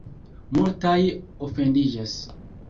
Multaj ofendiĝas.